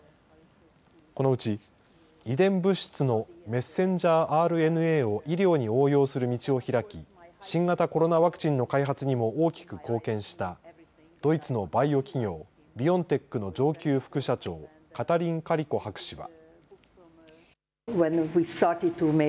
このうち遺伝物質のメッセンジャーＲＮＡを医療に応用する道をひらき新型コロナワクチンの開発にも大きく貢献したドイツのバイオ企業ビオンテックの上級副社長カタリン・カリコ博士は。